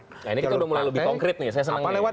jalur partai apa lewat